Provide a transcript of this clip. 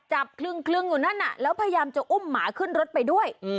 คลึงอยู่นั่นแล้วพยายามจะอุ้มหมาขึ้นรถไปด้วย